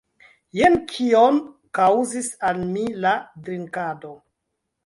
Jen kion kaŭzis al mi la drinkado!